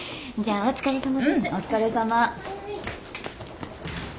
うんお疲れさま。